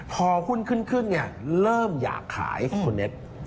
พอหุ้นขึ้นเนี่ยเริ่มอยากขายคุณเน็ต